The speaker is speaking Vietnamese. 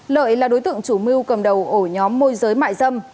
lợi là đối tượng chủ mưu cầm đầu ổ nhóm môi giới mại dâm